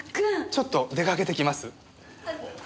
ちょっと出かけてきます。